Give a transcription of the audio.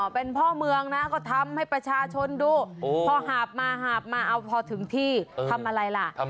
เป็นพ่อเมืองนะก็ทำให้ประชาชนดูพอหาบมาหาบมาเอาพอถึงที่ทำอะไรล่ะ